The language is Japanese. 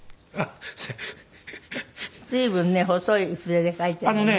随分ね細い筆で描いてるのね。